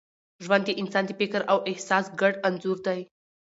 ژوند د انسان د فکر او احساس ګډ انځور دی.